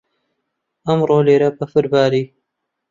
ئەمڕۆ لێرە بەفر باری.